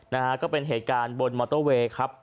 นะฮะก็เป็นเหตุการณ์บนมอเตอร์เวย์ครับ